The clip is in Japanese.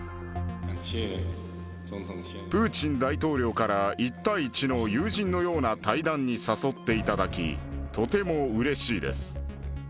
プーチン大統領から１対１の友人のような対談に誘っていただき、とてもうれしいです。